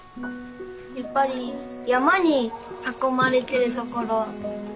やっぱり山に囲まれてるところ。